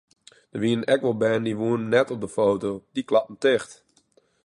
Der wienen ek wol bern dy woenen net op de foto, dy klapten ticht.